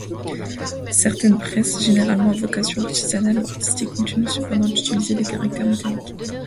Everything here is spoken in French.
Certaines presses, généralement à vocation artisanale ou artistique, continuent cependant d'utiliser des caractères métalliques.